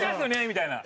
みたいな。